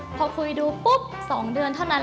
พอคุยดูปุ๊บ๒เดือนเท่านั้น